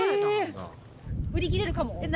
売り切れるかも？